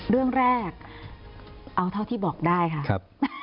เรื่องแรกเอาเท่าที่บอกได้ค่ะ